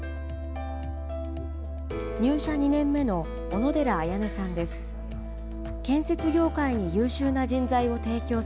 入社２年目の小野寺綾音さんです。